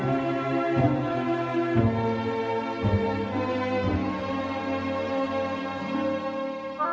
slike di nasyeong europas sesuatu yang tidak saja melambang